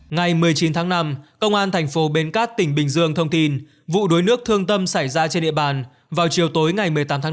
ngày một mươi chín tháng năm công an thành phố bến cát tỉnh bình dương thông tin vụ đuối nước thương tâm xảy ra trên địa bàn vào chiều tối ngày một mươi tám tháng năm